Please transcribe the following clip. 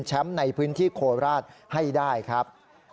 ในพื้นที่โคราชให้ได้ครับ